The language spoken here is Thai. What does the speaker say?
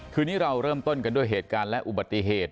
คืนนี้เราเริ่มต้นกันด้วยเหตุการณ์และอุบัติเหตุ